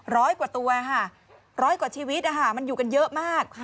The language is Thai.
ร้อยกว่าตัวค่ะร้อยกว่าชีวิตมันอยู่กันเยอะมาก